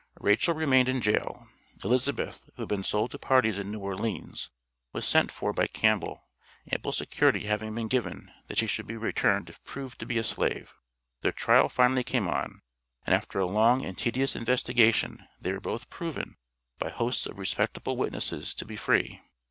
Rachel remained in jail; Elizabeth, who had been sold to parties in New Orleans, was sent for by Campbell, ample security having been given that she should be returned if proved to be a slave. Their trial finally came on, and after a long and tedious investigation they were both proven, by hosts of respectable witnesses to be free.